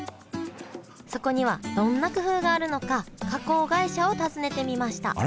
そこにはどんな工夫があるのか加工会社を訪ねてみましたあれ！？